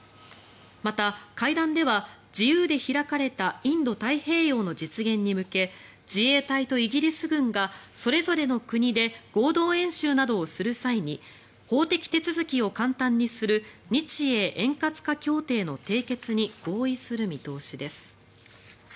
また、会談では自由で開かれたインド太平洋の実現に向け自衛隊とイギリス軍がそれぞれの国で合同演習などをする際に法的手続きを簡単にする日英円滑化協定の締結に合意する見通しです。